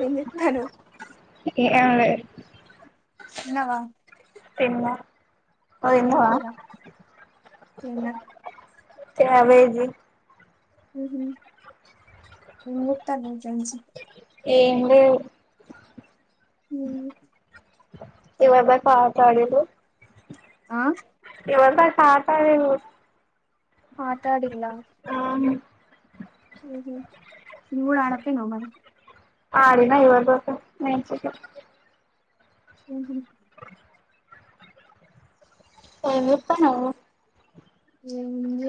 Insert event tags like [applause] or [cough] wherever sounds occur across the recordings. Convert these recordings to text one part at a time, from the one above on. వెతను ఎ తిన్నావా తిన్న ఏం కూర, తిన్నా క్యాబేజీ ముక్త కంసి ఏందో హ ఇవ ఎ మా పటడలు ఆ ఎవస కాత మాట్లాడిలా ఊడు ఆడప్పే నవ మరి ఆడినా ఇవ న ఉహ ఎమిప్పన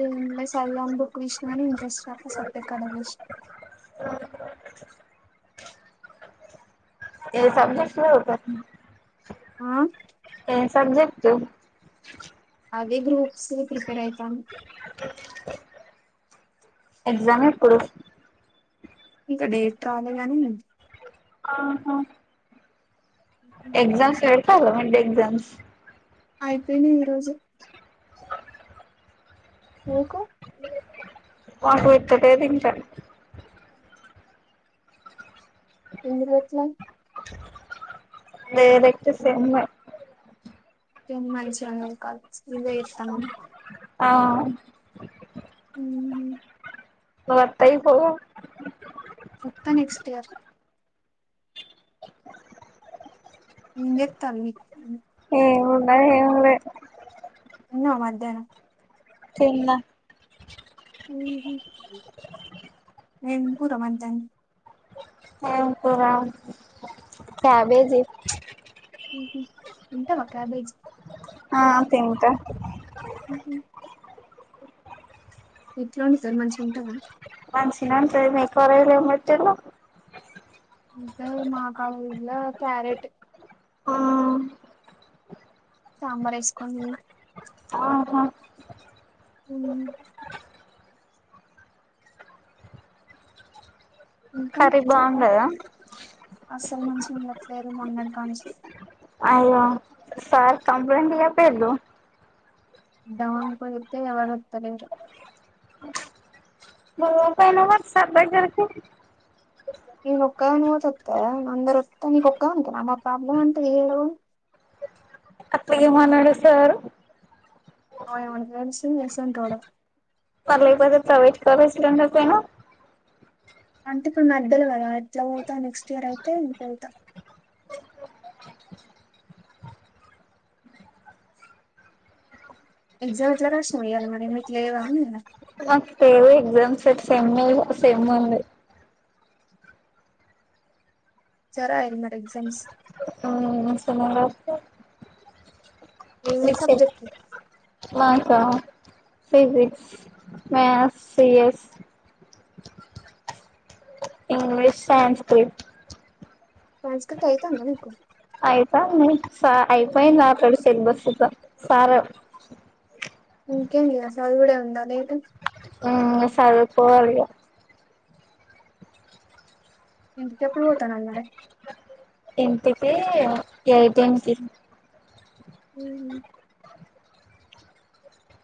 ఏ సలంబ కృష్ణ అని ఇంట్రెస్ సత్య కడ ఆ ఏ సబ్జట్లుత ఆ ఏ సబ్జెక్ట్ అదే గ్రూప్స్ ప్రిపేర్ అవుతాం ఎగజామే ప్రూఫ్ ఇక డేట్ అాలగానీ ఆహా ఎక్జామ్స్ వెడత మంటే ఎజామ్స్ అయిపోయినా ఈరోోజు మీకు మాకు ఇత్తడేది ఇంకాం ఎందు వట్లా లేదతే సమ్న్నా టెన్ మంత్స్ ఉన్నాయి కాల స్వే ఇస్తాము అవు హ ను అత్తాయిపో మొత్త నెక్స్ట్ ఇయర్ ఎత్తాం మ ఎే ఉన్న మధ్యాహ్నం చిన్న ఏ పూర మనదాం ఎ పరా కబేజ ఉంటావా క్యాబేజీ ఆ తింట ఉహు ఎట్లా ఉండి సార్ మంచిగా ఉంటంద మసినంతే మేరలేమటి ఇ మా కావలుల కరెట్ సాంబార్ వేసుకోని ఆహా అ ఇంకా కరి చెప్ప బాంగ్ అస్సలు మంచిగా ఉండట్లేరు మన్నడు కానిస అయ్యో సార్ కంప్లేట్ అేలు డౌన్ పోయితే ఎవరు వతార మూ పైన వర్సదగకి నను ఒక్కా న తుత్త అందొత్తా నకు ఒక్కా ఉంత నామ్ ప్రాబ్లమ్ అంతది ఏు అక్క ఏ మానాడు సార్ అ ఎవ తెస చేస ఉంటడ పర్ల ప ప్రవైట్ కసిలంండ పను అంటే ఇప్పుడు మధ్యలు కదా ఎట్లా పోడతాం నెక్స్ట్ ఇయర్ అయితే ఇంకెళ్తాం ఎగ్జామ్ ఎట్లా రాష్ మయాల మరి ఇలే ఏ ఉలా మాకు తెేవ ఎగ్జామ్స్ట్ సేమ్ సేమ్ ఉంది చెరా ఆనా ఎగ్జామ్స్ ఏమి ఏమే మీకు సెమ్ సబ్జెక్ట్ మాకా physics maths CS English Sanskrit Sanskrit అయితాందా మీకు అయితంది సా అయిపోయింది అల్ రెడీ సిలబ్స్ ఇగ సార్ ఇంకేంది ఇగ చదువుడే ఉంద లేదుగా ఊ సదువుకోవాలి ఇగ ఇంటికి ఎప్పుడు పోతన్నావు మరి ఇంటికి ఏయిటిన్ కి హు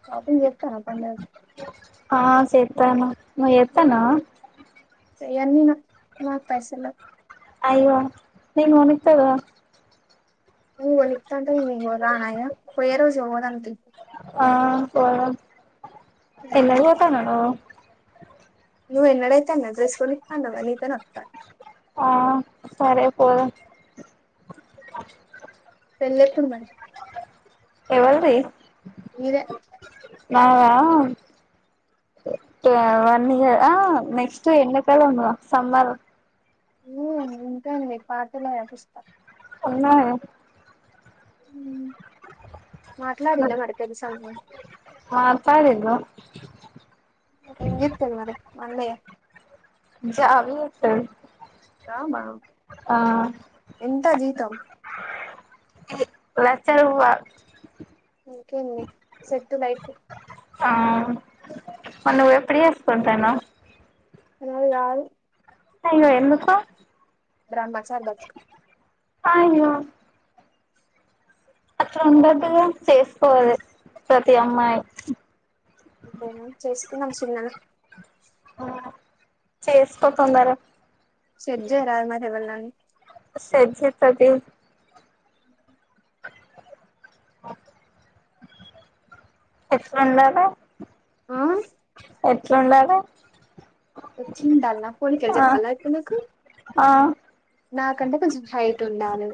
షాపింగ్ చెత్తారా పండగకి ఆ సేత్తను నువ్వు చెత్తన్నావా చేయను నేను ఇగ పైసల లేవు అయ్యో నేను కొనిత్తగా నువ్వు కొనిత్తంటే [unintelligible] పోయే రోజు పోదాం తీ ఆ పోదం [unintelligible] పొతాన్నవు నువ్వు నువు ఎన్నడైతే అన్న డ్రెస్ కొనిత్త అన్నవు గా నీతో నే వత్త ఆ సరే పోదం పెళ్లి ఎప్పుడు మరి ఎవలిది నీదే నాదా వన్ ఇయర్ ఆ నెక్స్ట్ ఎండాకాలంలో గా సమ్మర్ హు ఉంటే ఉన్ని పాటలు రాపిస్త ఉన్నాయ మాట్లాడిల్లా మరి పెళ్లి సంగతి మాట్లాడిండు ఎం చేత్తన్నాడు మరి మా అన్నయ్య [unintelligible] అవునా ఆ ఎంత జీతం లక్ష రూపాయలు ఇంకేమి సెట్ లైఫ్ ఆ మరి నువ్వు ఎప్పుడు చేసుకుంటనవ్ నువ్వు గాదు అవునా ఎందుకు బ్రహ్మచారి బతుకు అయ్యో అట్లు ఉండద్దుగా చేసుకోవలీ ప్రతి అమ్మాయి అంతేనా చేసుకున్నాం చిన్నగా చేసుకో తొందరగా సెట్ చేయరా మరి ఎవరినన్నా సెట్ చెత్త తి ఎట్లుండల ఆ ఎట్లుండలా వచ్చిందాన్నా పోలికలు చెప్పాలా ఇప్పుడు నీకు ఆ నాకు కంటే కొంచం హైట్ ఉండాలే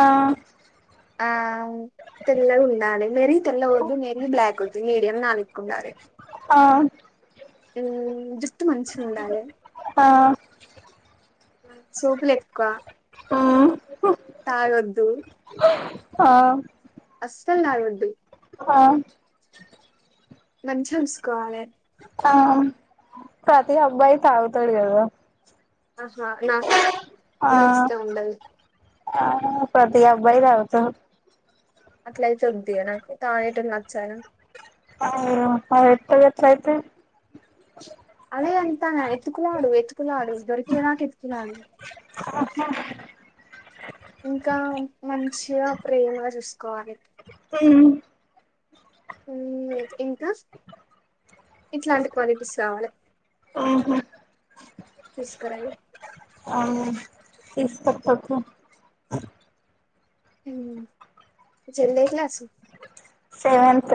ఆ ఆ తెల్లగ ఉండాలే మరీ తెల్లవద్దు మరీ బ్లాక్ వద్దు మీడియం నా లెక్క ఉండాలే ఆ హు జు ఆ సోపులు ఎక్కువ మ్ తగొద్దు ఆ అస్స నా వడ్డి హా మంచీగా చుసుకోవాలే ఆ ప్రతి అబ్బాయి తాగుతాడు అద ఆహా నా నష్టం ఉండదు ఆ ప్రతి [unintelligible] అలా వద్దియ నాకు తాగే టోల్లు నచ్చరు [unintelligible] అయితే అదే ఎంతానా ఎత్తుకున్నాడు ఎతుకులాడు దొరికే నాక ఎతుకులాడు [unintelligible] ఇంకా మంచిగా ప్రేమ చూసుకోవాలి మ్ ఇంకా ఇట్లాంటి క్వాలిటీస్ రావాలి ఆహా తీస్కరయి [unintelligible] పకు ఉమ్ [unintelligible] సెవెంత్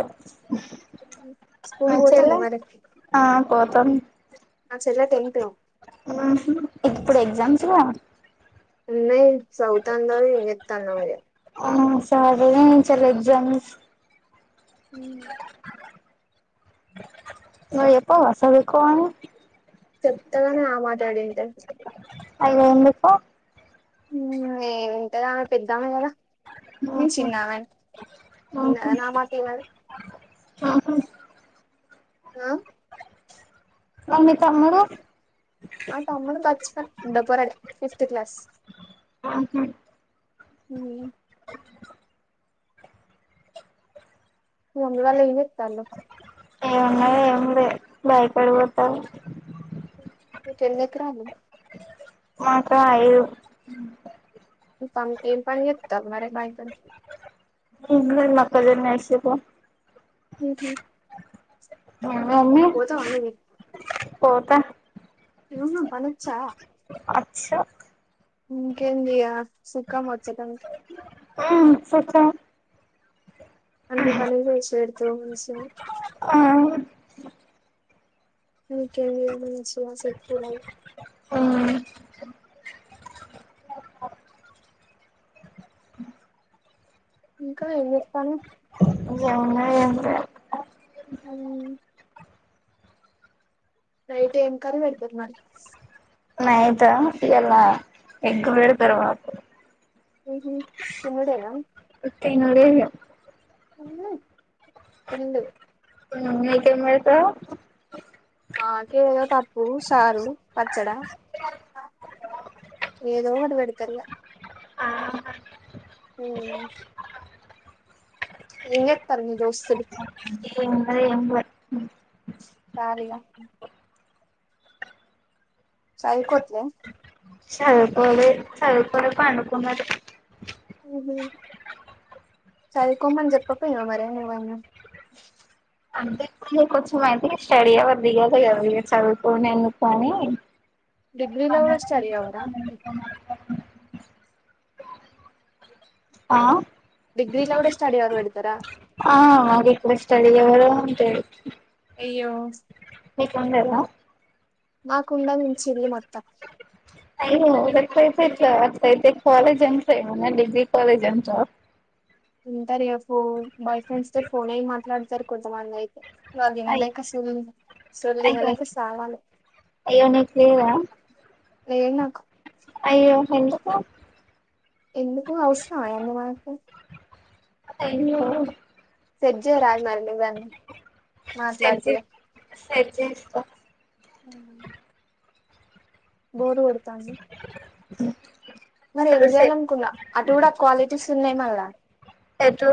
స్కూల్ మ పోతుందా చెలే మరి ఆ పోతాం నా చెల్లె టెన్త్ ఇప్పుడు ఎగ్జామ్స్ లో వున్నే సావితన్నవో ఏతాన్న మరి ఆ సరే చాల ఎగ్జామ్స్ మాక్ చెప్పావ సదుకో అని చెప్తేనే ఆ మాట అనిందేధి అయ ఎందుకు ఏమింటదా ఆమె పెద్దామే కదా నేను బపు చిన్నామె బపు విన్నదా నా మాట ఈనదు [unintelligible] ఆ ఆ మరి మీ తమ్ముడు మ తమ్ముడు బచ్చపన్ ఉంటపోరడి ఫిఫ్త్ క్లాస్ ఉహు ఉ రోమ్ లోలు ఎంచెట్టాండ్రు ఏమున్నా ఏం లే బయపడిపోతావు [unintelligible] ఎక రాను మాక ఐదు య [unintelligible] మాకుదన్న అసపో ఉహు మమీ పోతావా నువ్వు పోత పనచ్చా అచ్చా ఇంకేంది ఇగ సుఖం వచ్చాట ఆ సచ్చ అన్ని పనులు చెసిపెడ్తవ్ మంచీగా ఆ ఇంకెం ఇగా మంచీగా సెట్ ఉ ఏమున్నది ఇంకా ఏం చేస్తాను [unintelligible] ఎంత అ రైట్ ఏం కర్రి పెడతారు మరి రాత్రి నైట్ ఇయాలా ఎగ్ పెడ్తరు మాకు ఉమ్ హు థినుడేన తినలేదు కొనిండు ఉమ్ మీకేం బెడతర్ మాకేదో పప్ ప్పు చారు పచ్చడ, ఏదోకటి పెడ్ ది కల్ల ఆ ఉమ్ ఎంజెత్తాల్ మీ దోస్త్ ఏమున్నది ఎంలే ఖాళిగా చదువుకోట్లే చదువుకోలే, చదువుకొనే పండుకున్నరు ఉమ్ హ్, చదువుకోమని చెప్పక్పోయినవ్ మరి నువైనా అంటె ఇగ కొంచెమయితే ఇగ స్టడీ అవర్ దిగేదే గద ఇగ చదువుకోడమెందుకని డిగ్రీలో కూడా స్టడీ అవరా [unintelligible] ఆ, డిగ్రీలో కూడా స్టడీ అవర్ పెడతారా ఆ రిక్వస్ట్ అడిగావ్ గదా థ్యాంక్ యు అయ్యో మీకుండేదా నాకుండ వుంచిళ్ళు మొత్తం టైమ్ [unintelligible] డిగ్రీ కలేజంతా ఉంటారు ఇగ ఫోన్ కొంతమందయితే అయ్ వాళ్ళదినలేక సొళ్ళు ఇగ అయ్యో సొల్లినలేక సావాలె అయ్యో నిక్ లేదా లేద్ నాకు అయ్యో ఎందుకు ఎందుకు ఔసరమయన్నీ మనకు అయ్యో సెట్ జేయరాదు మరి నువ్వే అన్ని మాట్లాడతిగ సెట్ జేస్త ఉమ్ బోరు గొడతాంది అ మరెం జేయాలనుకున్నా అటు గూడా కాలేజెస్ ఉన్నయ్ మళ్ళ ఎటు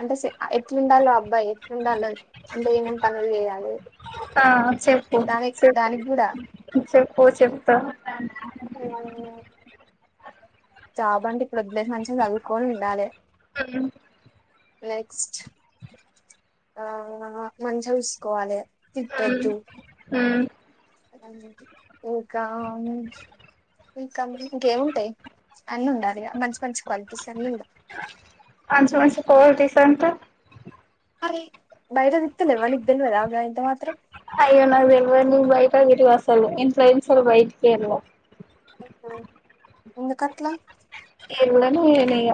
అంటె సే ఎట్లుండాల్లో అబ్బాయి ఎట్లుండాలో అంటే ఏమేం పనులు జేయాలి ఆ చెప్పు దానిక్ దానిగ్గుడా పో చెప్తా జాబ్ జాబంటే ఇప్పుడోద్దులే మంచిగ చదువుకోని వుండాలె హ్మ్ నెక్స్ట్ ఆ మంచిగ జూసుకోవాలె హ్మ్ ఇంకా నుంచ్ ఇంకేముంటయి అన్నుండాలిగ మంచి మంచి క్వాలిటీస్ అన్నుమ్డా మంచి మంచి క్వాలిటీస్ అంటె బయట జూత్తె తేల్వ నీక్ తెల్వదా గాఇంత మాత్రం యూ ట్యూబ్ అస్సలు ఇంట్ల నుంచి బైటికెల్ల అయ్యో ఎందుకట్ల? ఎల్లనేనిగ